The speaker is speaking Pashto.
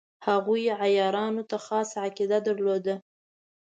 هغوی عیارانو ته خاصه عقیده درلوده.